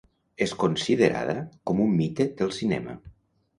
És considerada com un mite del cinema.